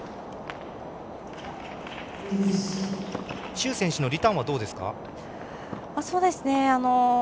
朱選手のリターンはどうですか？